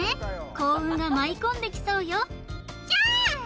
幸運が舞い込んできそうよちゃん！